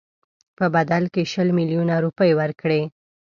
په بدل کې شل میلیونه روپۍ ورکړي.